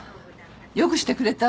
よくしてくれた？